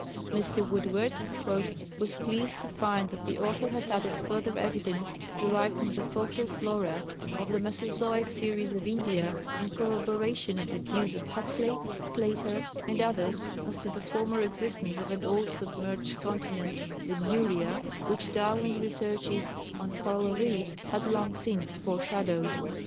Mr. Woodward "was pleased to find that the author had added further evidence, derived from the fossil flora of the mesozoic series of India, in corroboration of the views of Huxley, Sclater and others as to the former existence of an old submerged continent ('Lemuria') which Darwin's researches on coral reefs had long since foreshadowed."